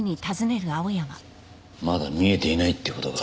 まだ見えていないって事か。